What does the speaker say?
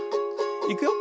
いくよ。